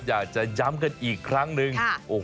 อยากจะย้ำกันอีกครั้งหนึ่ง